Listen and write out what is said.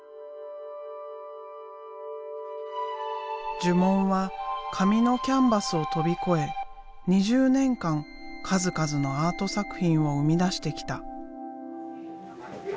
呪文は紙のキャンバスを飛び越え２０年間数々のアート作品を生み出してきた。